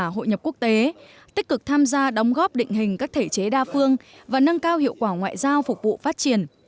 hội nhập quốc tế tích cực tham gia đóng góp định hình các thể chế đa phương và nâng cao hiệu quả ngoại giao phục vụ phát triển